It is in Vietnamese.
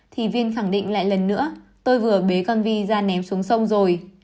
thì viên khẳng định lại lần nữa tôi vừa bế con vi ra ném xuống sông rồi